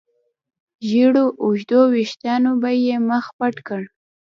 زېړو اوږدو وېښتانو به يې مخ پټ کړ.